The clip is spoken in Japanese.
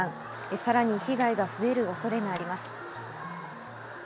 さらに被害が増える恐れがあります。